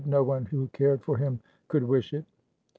No one who cared for him could wish it."